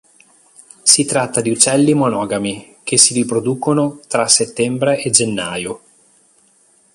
Si tratta di uccelli monogami, che si riproducono tra settembre e gennaio.